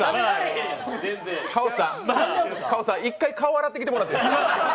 一回、顔洗ってきてもらっていいですか。